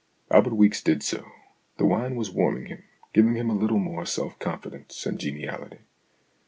Albert Weeks did so. The wine was warming him, giving him a little more self confidence and geniality.